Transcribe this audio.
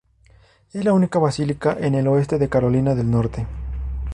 Es la única basílica en el oeste de Carolina del Norte.